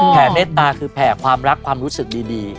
เมตตาคือแผ่ความรักความรู้สึกดี